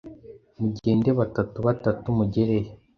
Mugende batatu batatu mugereyo